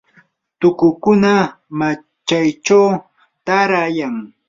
tukukuna machaychaw taarayan.